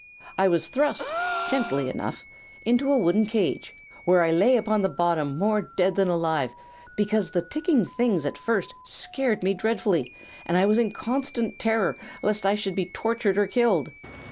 I was thrust, gently enough, into a wooden cage, where I lay upon the bottom more dead than alive because the ticking things at first scared me dreadfully and I was in constant terror lest I should be tortured or killed.